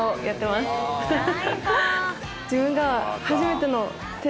自分が。